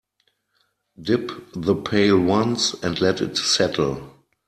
Dip the pail once and let it settle.